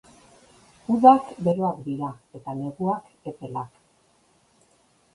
Udak beroak dira eta neguak epelak.